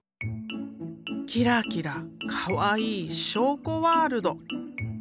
キラキラかわいい章子ワールド。